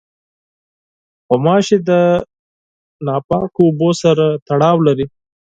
غوماشې د ناپاکو اوبو سره تړاو لري.